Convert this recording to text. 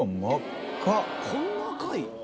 こんな赤い？